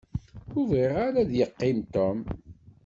Ur bɣiɣ ara ad yeqqim Tom.